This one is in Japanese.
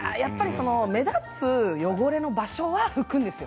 目立つ汚れの場所は拭くんですよ。